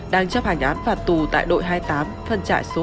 đang chấp hành án phạt tù tại đội hai mươi tám phân trại số một